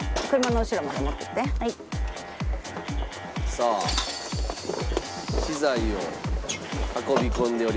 さあ資材を運び込んでおります。